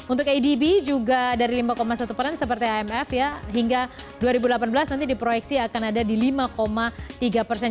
untuk adb juga dari lima satu persen seperti imf ya hingga dua ribu delapan belas nanti diproyeksi akan ada di lima tiga persen